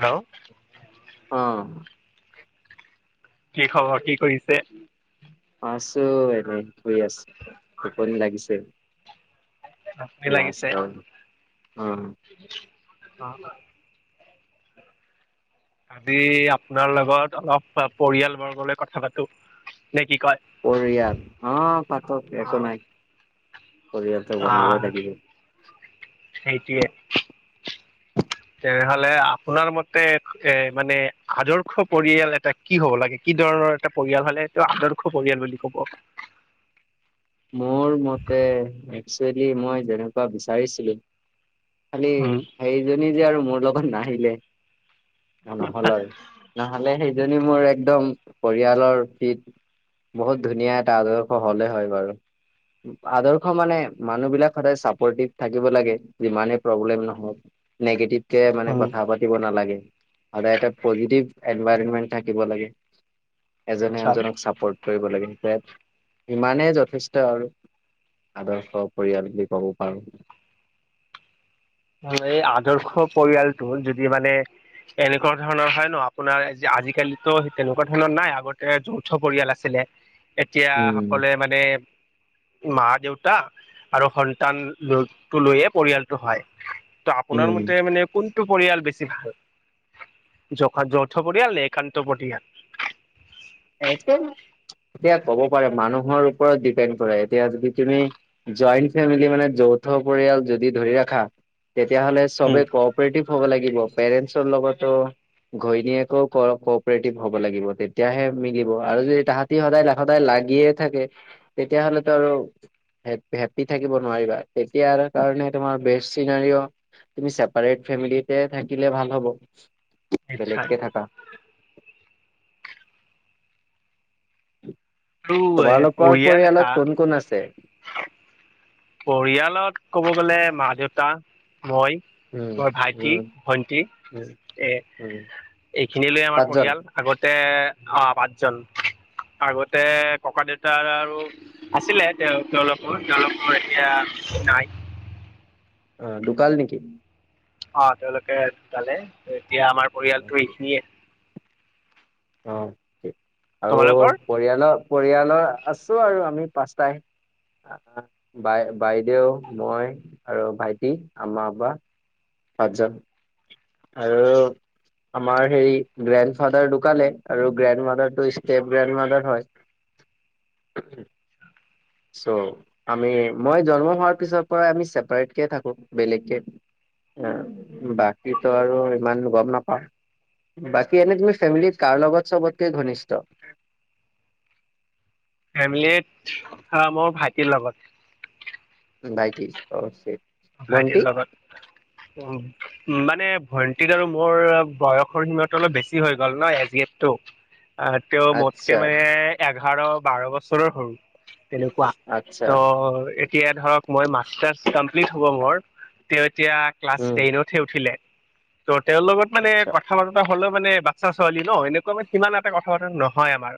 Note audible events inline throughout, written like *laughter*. Hello, অ', কি খবৰ কি কৰিছে আছো এনে শুই আছো টোপনি লাগিছে আমনি লাগিছে লাষ্ট উম অ। আজি আপোনাৰ লগত অলপ পৰিয়ালবৰ্গলৈ কথা পাতো। নে কি কয় পৰিয়াল অ পাতক অ একো নাই পৰিয়াল ত বনাবই লাগিব নাইটিয়ে। তেনেহলে আপোনাৰ মতে মানে আদৰ্শ পৰিয়াল এটা কি হব লাগে কি ধৰ এটা পৰিয়াল হলে এইটো আদৰ্শ পৰিয়াল বুলি কব মোৰ মতে একচুৱেলি মই যেনেকুৱা বিচাৰিছিলোঁ। খালি উম সেইজনী যে আৰু মোৰ লগত নাহিলে। নহল নহলে সেইজনী মোৰ একদম পৰিয়ালৰ ফিট বহুত ধুনীয়া এটা আদৰ্শ হলে হয় বাৰু আদৰ্শ মানে মানুহ বিলাক সদায় চাপৰ্টিভ থাকিব লাগে। যিমানে প্ৰব্লেম নহওক নিগেটিভ কে মানে উম কথা পাতিব নালাগে। সদাই এটা পজিটিভ এনভাইৰনমেন্ট থাকিব লাগে এজনে আচ্ছা এনজনক চাপৰ্ট কৰিব লাগে *unintelligible* ইমানেই যথেষ্ট আৰু আদৰ্শ পৰিয়াল বুলি ক'ব পাৰোঁ। এই আদৰ্শ পৰিয়াল যদি মানে এনেকুৱা ধৰণৰ হয় ন আপোনাৰ আজিকালিতো তেনেকুৱা ধৰণৰ নাই আগতে এ যৌথ পৰিয়াল আছিলে এতিয়া উম সকলোৱে মানে মা দেউতা আৰু সন্তানটো লৈয়ে পৰিয়ালটো হয়। ত আপোনাৰ উম মতে মানে কোনটো পৰিয়াল বেছি ভাল। য যৌথ পৰিয়াল নে একান্ত পৰিয়াল। এটো এতিয়া ক'ব পাৰে মানুহৰ ওপৰত ডিপেণ্ড কৰে এতিয়া যদি তুমি জইণ্ট ফেমিলি মানে যৌথ পৰিয়াল যদি ধৰি ৰাখা তেতিয়া হলে উম সবে কপটিভ হব লাগিব। পেৰেন্স লগতো ঘৈণীয়েকো কপৰেটিভ হব লাগিব তেতিয়াহে মিলিব আৰু যদি তাহাঁতি সদায় সদায় লাগিয়ে থাকে তেতিয়াহলেতো আৰু হেপ হেপ্পী থাকিব নোৱাৰিবা তেতিয়াৰ কাৰণে তোমাৰ বেষ্ট চিনাৰিও তুমি ছেপাৰেট ফেমিলিতে থাকিলে ভাল হ'ব নিশ্চয় বেলেগকে থাকা। আৰু এ তোমালোকৰ পৰিয়াল এটা পৰিয়ালত কোন কোন আছে? পৰিয়ালত ক'ব গ'লে মা দেউতা মই উম মোৰ ভাইটি, উম ভন্টি উম এ উম এইখিনি লৈ আমাৰ পাঁচজন পৰিয়াল আগতে আহ পাঁচজন আগতে ককা দেউতাৰ আৰু আছিলে তেওঁ তেওঁলোকো তেওঁলোক এতিয়া নাই। আহ দোকাল নেকি? অ তেওঁলোকে ধুকালে এতিয়া আমাৰ পৰিয়ালটো এইখিনিয়ে অ', আৰু তোমালোকৰ পৰিয়াল পৰিয়ালৰ আছো আৰু আমি পাঁচটাই বাই বাইদেউ মই আৰু ভাইটি আম্মা আব্বা পাঁচজন আৰু আমাৰ হেৰি গ্ৰেণ্ড ফাদাৰ দোকানে আৰু গ্ৰেণ্ড মাদাৰ টো ষ্টেপ গ্ৰেণ্ড মাদাৰ হয় *inaudible* উম চ' আমি মই জন্ম হোৱাৰ পিছৰ পৰাই আমি চছেপাৰেটকে থাকোঁ বেলেগকে বাকী তো আৰু ইমান গম নাপাওঁ। বাকী এনে তুমি ফেমিলী কাৰ লগত চবতকে ঘনিষ্ঠ। ফেমিলিত মোৰ ভাইটিৰ লগত। ভাইটি অ চেম ভাইটিৰ লগত উম মানে ভন টিত আৰু মৰ বয়সৰ সীমাটো অলপ বেছি হৈ গ'ল ন এজ গেপটো। আ তেওঁ মোতকে আচ্ছা মানে এঘাৰ বাৰ বছৰৰ সৰু। তেনেকুৱা আচ্ছা ত এতিয়া ধৰক মই মাষ্টাৰছ কমপ্লিট হব মৰ। তে তিয়া ক্লাছ উম টেনতহে উঠিলে। ত তেওঁলগত মানে আচ্ছা কথা বাৰ্তা হলো মানে বাচ্ছা ছোৱালী ন এনেকুৱা মানে সিমান এটা কথা বতৰা নহয় আমাৰ।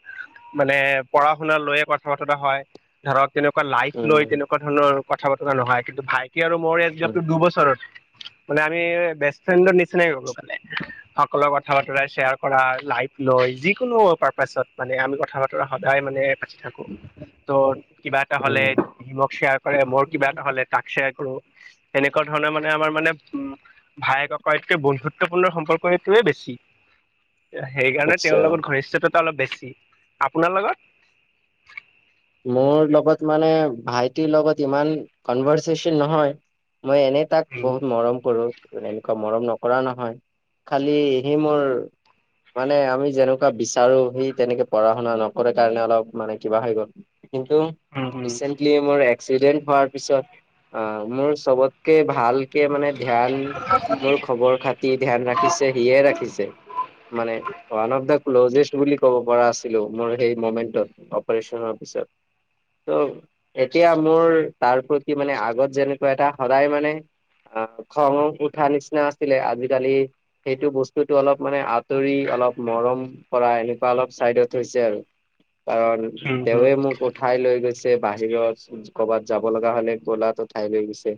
মানে পঢ়া শুনা ল লৈয়ে কথা বতৰা হয় ধৰক। তেনেকুৱা লাইফ লৈ উম তেনেকুৱা ধৰণৰ কথা বতৰা নহয় কিন্তু ভাইটি আৰু মোৰ এজ গেপ উম টো দুবছৰৰ। মানে আমি বেষ্ট ফ্ৰেণ্ডৰ নিচিনাই গলো মানে সকলো কথা বতৰা শ্বেয়াৰ কৰা, লাইফ লৈ যিকোনো পাৰ্পাছত মানে আমি কথা বতৰা সদায় মানে পাতি থাকো। ত কিবা এটা হলে উম সি মোক শ্বেয়াৰ কৰে মোৰ কিবা এটা হলে তাক শ্বেয়াৰ কৰো। এনেকুৱা ধৰণে মানে আমাৰ মানে উ ভায়েক ককায়েতকৈ বন্ধুত্বপূৰ্ণ সম্পৰ্কটোৱে বেছি। সেইকাৰণে তেওঁৰ আচ্ছা লগত ঘনিষ্ঠততা অলপ বেছি। আপোনাৰ লগত? মোৰ লগত মানে ভাইটিৰ লগত ইমান কনভাৰ্চেচন নহয়। মই এনেই তাক উম বহুত মৰম কৰো। এনেকুৱা মৰম নকৰা নহয় খালি সি মোৰ মানে আমি যেনেকুৱা বিচাৰো সি তেনেকে পঢ়া শুনা নকৰে কাৰণে অলপ মানে কিবা হৈ গ'ল। কিন্তু উম উম। ৰিচেন্টলি মোৰ এক্সিডেন্ট হোৱাৰ পিছত আ মোৰ চবতকে ভা ভালকে মানে ধ্যান নৰ খবৰ খাতি ধ্যান ৰাখিছে সিয়ে ৰাখিছে। মানে ওৱান অফ দা ক্ল'জেষ্ট বুলি ক'ব পৰা আছিলো মোৰ সেই মমেন্টত অপাৰচনৰ পিছত। *inaudible* ত এতিয়া মোৰ তাৰ প্ৰতি মানে আগত যেনেকুৱা এটা সদায় মানে অ' খং উঠা নিচিনা আছিলে আজিকালি সেইটো বস্তুতো অলপ মানে আঁতৰি অলপ মৰম কৰা এনেকুৱা অলপ চাইডত হৈছে আৰু কাৰণ উম হুম দেৱে মোক উঠাই লৈ গৈছে বাহিৰত কৰ'বাত যাব লগা হলে কোলাত উঠাই লৈ গৈছে।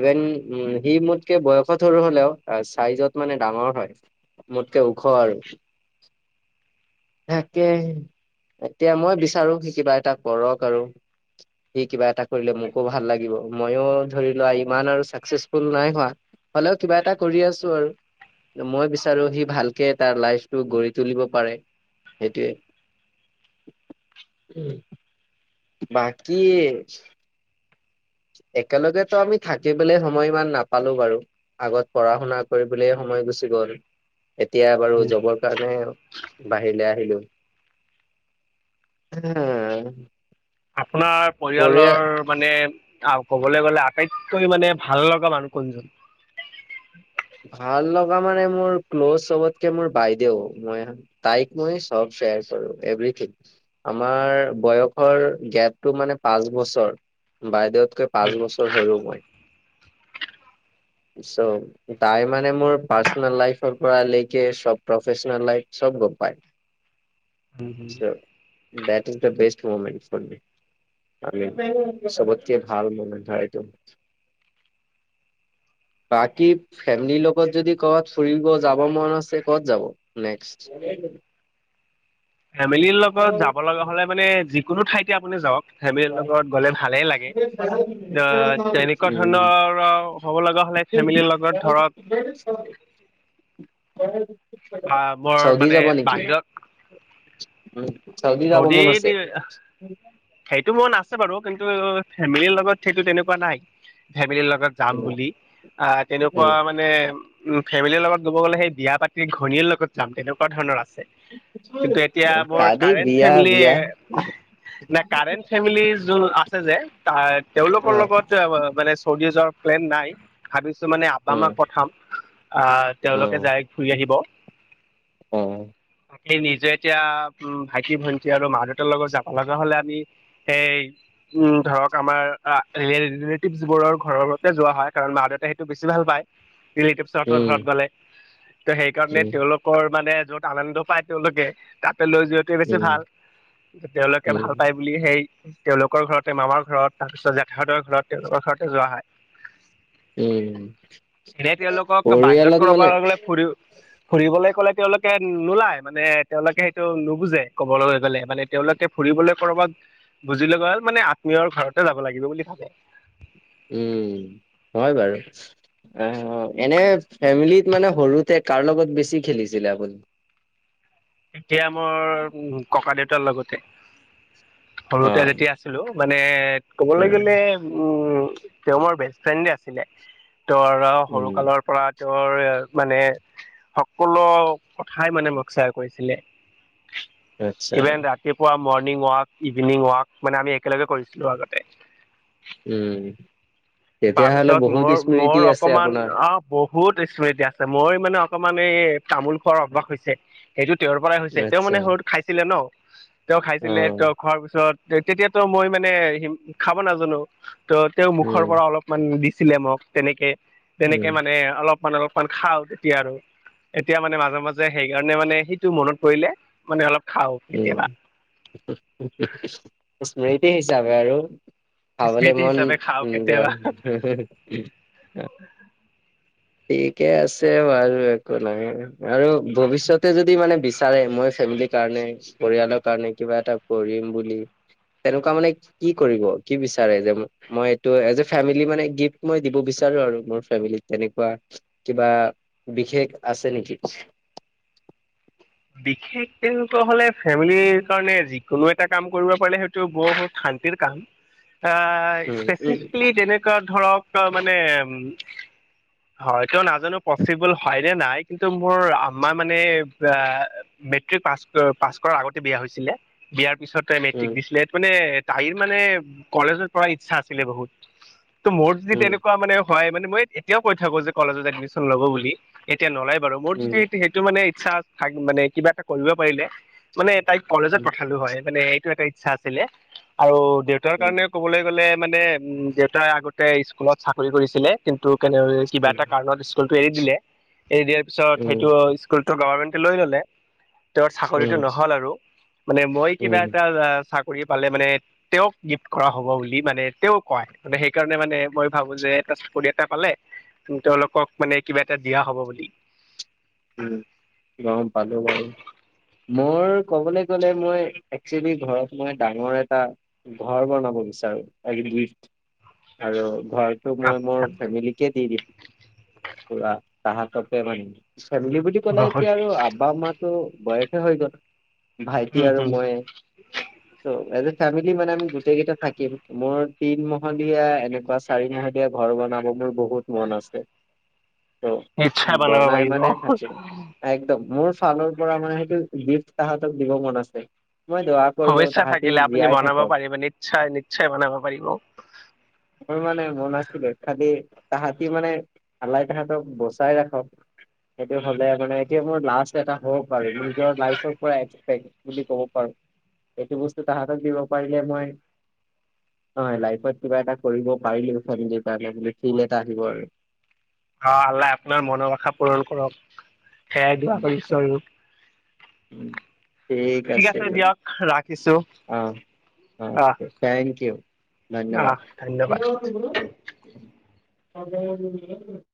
ইভেন উ সি মোতকে বয়সত সৰু হলেও চাইজত মানে ডাঙৰ হয়। মোত মোতকে ওখ আৰু। *inaudible* তাকে এতিয়া মই বিচাৰো সি কিবা এটা কৰক আৰু। সি কিবা এটা কৰিলে মোকো ভাল লাগিব মইয়ো ধৰি লোৱা ইমান আৰু চাকচেচফুল নাই হোৱা। হ'লেও কিবা এটা কৰি আছো আৰু। মই বিচাৰো সি ভালকে তাৰ লাইফটো গঢ়ি তুলিব পাৰে। সেইটোৱে উম। বাকী একেলগেতো আমি থাকিবলৈ সময় ইমান নাপালো বাৰু আগত পঢ়া শুনা কৰিবলৈয়ে স সময় গুচি গ'ল এতিয়া বাৰু হুম জবৰ কাৰণে বাহিৰলৈ আহিলো। *unintelligible* আপোনাৰ পৰিয়া পৰিয়ালৰ মানে আৰু ক'বলৈ গ'লে আটাইতকৈ মানে ভাল লগা মানুহ কোনজন? ভাল লগা মানে মোৰ ক্ল'জ চবতকে মোৰ বাইদেউ মই তাইক মই চব শ্বেয়াৰ কৰো এভৰিথিং আমাৰ বয়সৰ গেপটো মানে পাঁচ বছৰ। বাইদেউতকৈ উম, পাঁচ বছৰ সৰু মই। *unintelligible* চ' তাই মানে মোৰ পাৰ্চনেল লাইফৰ পৰা লেকে চব প্ৰফেচনেল লাইফ চব গম পাই। *inaudible* হুম। So that is the best moment for মি। *unintelligible* বাকী ফেমিলিৰ লগত যদি কৰ'বাত ফুৰিব যাব মন আছে ক'ত যাব নেক্স? ফেমিলিৰ লগত যাব লগা হলে মানে যিকোনো ঠাইতে আপুনি যাওক ফেমিলিৰ লগত গলে ভালেই লাগে তেনেকুৱা ধৰণৰ হব লগা হলে, ফেমিলিৰ লগত ধৰক বা মোৰ চৌদি মানে যাব নেকি বাহিৰত চৌদি যাব মন আছে সেইটো মন আছে বাৰু কিন্তু ফেমিলিৰ লগত সেইটো তেনেকুৱা নাই ফেমিলিৰ লগত *unintelligible* কাম বুলি আহ তেনেকুৱা উম, মানে উম ফেমিলিৰ লগত কব গ'লে সেই বিয়া পাতিৰ ঘৈনীৰ লগত যাম তেনেকুৱা ধৰণৰ কিন্তু এতিয়া মোৰ কাৰেণ্ট ফেমিলিয়ে নে কাৰেণ্ট ফেমিলি যোন আছে যে তেওঁলোকৰ লগত মানে চৌদি জৰ প্লেন নাই ভাবি মানে আম্মা ক পঠাম আহ তেওঁলোকে জাইৰেক্ট ঘুৰি আহিব অ সেই নিজে এতিয়া উম ভাইটি ভন্টি আৰু মা দেউতাৰ লগত যাব লগা হলে আমি সেই উম ধৰক আমাৰ ৰিলেটিভবোৰৰ ঘৰতে যোৱা হয় কাৰণ মাজতে সেইটো বেছি ভাল পায় ৰিলেটিভঁতৰ উম ঘৰত উম গলে তো সেইকাৰণে তেওঁলোকৰ মানে যত আনন্দ পায় তেওঁলোকে তাতে লৈ যোৱাটোৱে বেছি উম ভাল তেওঁলোকে উম ভাল পায় সেই তেওঁলোকৰ ঘৰতে মামাৰ ঘৰত তাৰপিছত জেঠাহঁতৰ ঘৰত তেওঁলোকৰ ঘৰতে যোৱা হয় উম উ এতিয়া তেওঁলোকক বাহিৰত পৰিয়ালত কব মানে গলে ফুৰি ফুৰিবলৈ গ'লে তেওঁলোকে নোলায় মানে তেওঁলোকে সেইটো নুবুজে কবলৈ গলে মানে তেওঁলোকে ফুৰিবলৈ কৰ'বাত বুজি লবা হ'ল মানে আত্মীয়ৰ ঘৰতে যাব লাগিব বুলি ভাবে উম হয় বাৰু অ এনে ফেমিলিত মানে সৰুতে কাৰ লগত বেছি খেলিছিলে আপুনি এতিয়া মোৰ ককা দেউতাৰ লগতে অ সৰুতে যেতিয়া আছিলো মানে ক'বলৈ উম গ'লে উম, তেওঁ মোৰ বেষ্ট ফ্ৰেণ্ডে আছিলে। তৰা সৰু উম, কালৰ পৰা তৰ মানে সকলো কথাই মানে মোক চিয়াৰ কৰিছিলে। আচ্ছা ইভেন ৰাতিপুৱা মই মৰ্ণিং ৱাক, ইভিনিং ৱাক মানে আমি একেলগে কৰিছিলো আগতে উম। তেতিয়াহ'লে তাৰপিছত বহুত মোৰ স্মৃতি মোৰ আছে অকমান আপোনাৰ অ', বহুত স্মৃতি আছে মই মানে অকমান মানে তামোল খোৱাৰ আভাস হৈছে সেইটো তেওঁৰ পৰাই হৈছে তেওঁ আচ্ছা মানে সৰুত খাইছিলে ন'। তেওঁ অ খাইছিলে তেওঁ খোৱাৰ পিছত তেতিয়াতো মই মানে খাব নাজানো। ত' তেওঁ উম মুখৰ পৰা অলপমান দিছিলে মোক তেনেকে, তেনেকে উম মানে অলপ মানে অলপমান খাওঁ তেতিয়া আৰু এতিয়া মানে মাজে মাজে সেইকাৰণে মানে সেইটো মনত পৰিলে মানে অলপ খাওঁ উম, কেতিয়াবা স্মৃতি হিচাপে আৰু। খাবলৈ স্মৃতি মন, হিচাপে খাওঁ উম। কেতিয়াবা ঠিকে আছে বাৰু, একো নাই আৰু ভৱিষ্যতে যদি মানে বিচাৰে মই ফেমিলি কাৰণে পৰিয়ালৰ কাৰণে কিবা এটা কৰিম বুলি। তেনেকুৱা মানে কি কৰিব? কি বিচাৰে যে মই এইটো এজ এ ফেমিলি মানে গিফ্ট মই দিব বিচ বিচাৰো আৰু মোৰ ফেমিলী তেনেকুৱা কিবা বিশেষ আছে নেকি? *inaudible* বিশেষ তেওঁলোকৰ হ'লে ফেমিলিৰ কাৰণে যিকোনো এটা কাম কৰিব পাৰিলে সেইটো বহুত শান্তিৰ কাম। এটা উম উম স্পেচিফিকেলি যেনেকুৱা ধৰক মানে হয় তো নাজানো পচিবল হয় নে নাই, কিন্তু মোৰ আম্মা মানে মেট্ৰিক পাছ - পাছ কৰাৰ আগতে বিয়া হৈছিলে বিয়াৰ পিছত তাই মেট্ৰিক দিছিলে মানে তাইৰ মানে কলেজত পঢ়াৰ ইচ্ছা আছিলে বহুত। ত' মোৰ যদি উম তেনেকুৱা মানে হয় মানে মই এতিয়াও কৈ থাকো যে কলেজত এডমিশ্যন ল'ব বুলি এতিয়া নলাই। বাৰু মোৰ উম যদি সেইটো মানে ইচ্ছা থ মানে কিবা এটা কৰিব পাৰিলে মানে তাইক কলেজত উম পঠালো হয় মানে এইটো এটা ইচ্ছা আছিলে আৰু দেউতাৰ উম কাৰণে ক'বলৈ গ'লে মানে উম দেউতাই আগতে স্কুলত চাকৰি কৰিছিলে, কিন্তু কেনে কিবা উম এটা কাৰণত স্কুল এৰি দিলে এৰি দিয়াৰ পিছত উম সেইটো স্কুলতটো গভমেন্টে লৈ ললে। তেওঁৰ চাকৰিতটো উম নহল আৰু মানে মই কিবা উম এটা কৰি পালে মানে তেওঁক গিফ্ট কৰা হ'ব বুলি মানে তেওঁ কয় মানে সেইকাৰণে মানে মই ভাবোঁ যে এটা চাকৰি এটা পালে তেওঁলোকক মানে কিবা এটা দিয়া হব বুলি। উম, গম পালো বাৰু। মোৰ কবলৈ গলে মই একচেলি ঘৰত মই ডাঙৰ এটা ঘৰ বনাব আৰু *inaudible* ঘৰটো মই মোৰ আচ্ছা ফেমিলিকে দি দিম, পুৰা তাহাককে মানে। ফেমিলি বুলি ক'লে বহুত এতিয়া আৰু আব্বা মাতো বয়সে হৈ গ'ল। ভাইটি উম আৰু হম মইে ত' এজ ফেমিলি মানে আমি গোটেই কেইটা থাকিম মোৰ তিনমলীয়া এনেকুৱা চাৰি মাহলীয়া ঘৰ বনাব মোৰ বহুত মন আছে। ত' নিশ্চয় বনাব বনাই মানে পাৰিব। একদম মোৰ ফালৰ পৰা মানে সেইটো গিফ্ট তাহাঁতক দিব মন আছে। মই দোৱা কৰো ভৱিষ্য তাহাঁতি থাকিলে আপুনি জীয়াই বনাব থাকক পাৰিব নিশ্চয়, নিশ্চয় বনাব পাৰিব। মোৰ মানে মন আছিলে, খালি তাহাঁতি মানে আলাই তাহাঁতক বচাই ৰাখক। সেইটো হ'লে মানে এতিয়া মোৰ লাষ্ট এটা হপ আৰু মোৰ নিজৰ লাইফৰ পৰা বুলি ক'ব পাৰোঁ, এইটো বস্তু তাহঁতক দিব পাৰিলে মই হয়, লাইফত কিবা এটা কৰিব পাৰিলোঁ *unintelligible* কাৰণে বুলি ফিলড এটা আহিব আৰু। অ', আল্লাহ আপোনাৰ মনৰ ভাষা পূৰণ কৰক, সেয়াই দোৱা উম, কৰিছোঁ আৰু উম, ঠিক আছে দিয়ক, ৰাখিছোঁ। অ'। থেংক ইউ, ধন্যবাদ আহ ধন্যবাদ *unintelligible* *unintelligible*